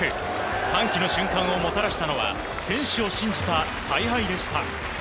歓喜の瞬間をもたらしたのは選手を信じた采配でした。